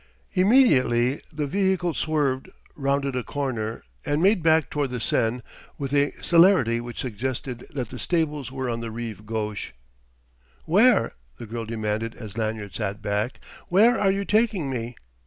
Immediately the vehicle swerved, rounded a corner, and made back toward the Seine with a celerity which suggested that the stables were on the Rive Gauche. "Where?" the girl demanded as Lanyard sat back. "Where are you taking me?"